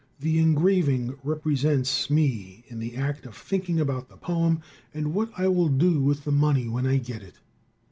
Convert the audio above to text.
The engraving represents me in the act of thinking about the poem, and what I will do with the money when I get it.